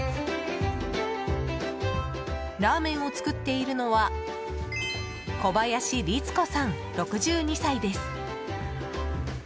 ラーメンを作っているのは小林律子さん、６２歳です。